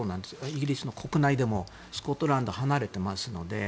イギリスの国内でもスコットランドは離れてますので。